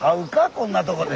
こんなとこで。